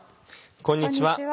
こんにちは。